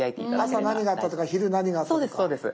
朝何があったとか昼何があったとか。